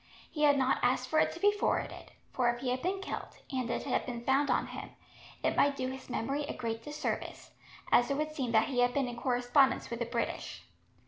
He had not asked for it to be forwarded, for if he had been killed, and it had been found on him, it might do his memory a great disservice, as it would seem that he had been in correspondence with the British.